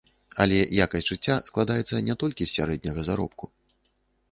Але якасць жыцця складаецца не толькі з сярэдняга заробку.